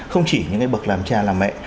không chỉ những cái bậc làm cha làm mẹ